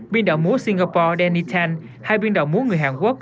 biên đạo múa singapore danny tan hai biên đạo múa người hàn quốc